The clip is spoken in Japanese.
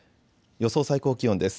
予想最高気温です。